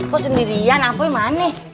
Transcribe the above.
kok sendirian apa yang mana nih